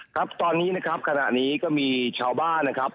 ครับตอนนี้นะครับขณะนี้ก็มีชาวบ้านนะครับ